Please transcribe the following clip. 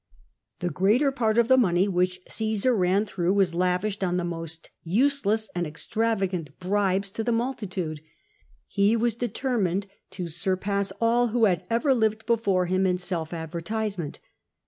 CJESAR^ PRODIGALITY 303 greater part of the money which Caesar ran through was lavished on the most useless and extravagant bribes to the multitude. He was determined to surpass all who had ever lived before him in self advertisement.